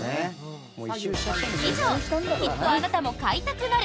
以上きっとあなたも買いたくなる！